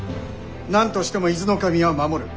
なんとしても伊豆守は守る。